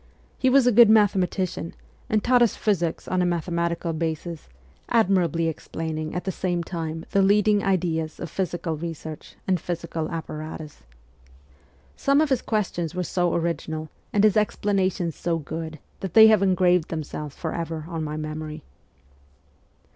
He was a good mathematician, and taught us physics on a mathe matical basis, admirably explaining at the same time the leading ideas of physical research and physical apparatus. Some of his questions were so original and his explanations so good that they have engraved themselves for ever on my memory.